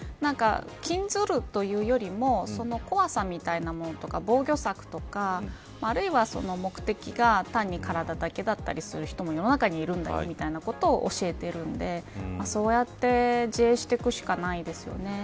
禁ずるというよりもその怖さみたいなものとか防御策とかあるいは、目的が単に体だけだったりする人も世の中にはいるんだみたいなことを教えてるんでそうやって自衛していくしかないですよね。